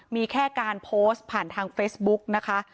มีแค่การโพสต์ผ่านทางเฟซบุ๊กนะคะ